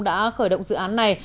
đã khởi động dự án này